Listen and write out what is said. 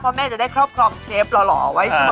เพราะแม่จะได้ครอบครองเชฟหล่อไว้เสมอ